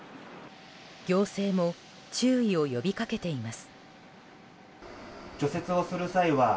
行政も注意を呼び掛けています。